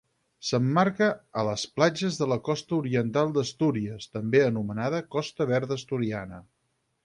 S'emmarca a les platges de la Costa oriental d'Astúries, també anomenada Costa Verda Asturiana.